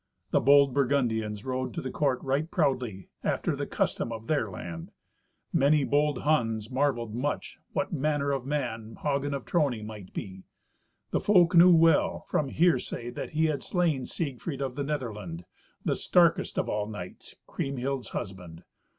The bold Burgundians rode to the court right proudly, after the custom of their land. Many bold Huns marvelled much what manner of man Hagen of Trony might be. The folk knew well, from hearsay, that he had slain Siegfried of the Netherland, the starkest of all knights, Kriemhild's husband.